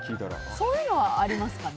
そういうのはありますかね。